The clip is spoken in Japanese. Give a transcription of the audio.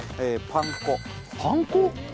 パン粉パン粉？